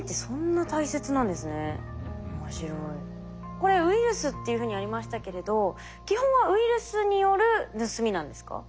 これウイルスっていうふうにありましたけれど基本はウイルスによる盗みなんですか？